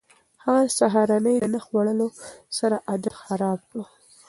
هغه د سهارنۍ نه خوړلو سره عادت خراب کړ.